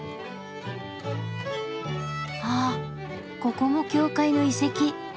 あっここも教会の遺跡！